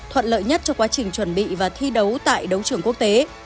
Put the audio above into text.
thuận lợi nhất cho quá trình chuẩn bị và thi đấu tại đấu trường quốc tế